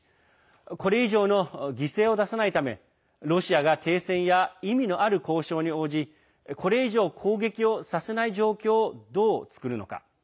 これ以上の犠牲を出さないためロシアが停戦や意味のある交渉に応じこれ以上、攻撃をさせない状況をどう作るのか。